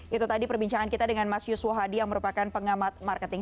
itu tadi perbincangan kita dengan mas yuswo hadi yang merupakan pengamat marketing